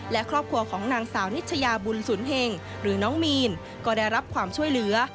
และครอบครัวของนางสาวนิชยาบุญสุนเห็งหรือน้องมีนก็ได้รับความช่วยเหลือ